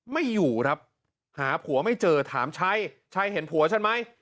ไม่อยู่ครับหาผัวไม่เจอถามชัยชัยเห็นผัวฉันไหม